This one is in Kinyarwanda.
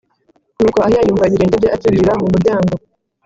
Nuko Ahiya yumva ibirenge bye acyinjira mu muryango